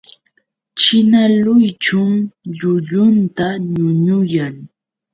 China luychun llullunta ñuñuyan.